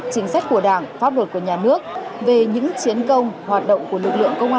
chính sách của đảng pháp luật của nhà nước về những chiến công hoạt động của lực lượng công an